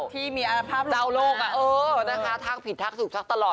ที่มีภาพหลุมมากนะเออนะคะทักผิดทักสุดทักตลอด